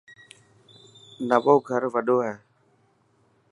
نئوو گھر وڌو هي.